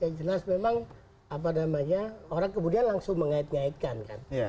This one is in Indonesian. yang jelas memang apa namanya orang kemudian langsung mengait ngaitkan kan